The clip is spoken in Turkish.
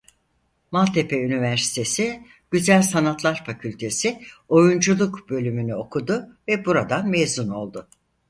Maltepe Üniversitesi Güzel Sanatlar Fakültesi Oyunculuk Bölümü'nü okudu ve buradan mezun oldu.